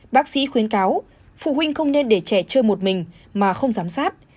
bác sĩ khuyến cáo phụ huynh không nên để trẻ chơi một mình mà không giám sát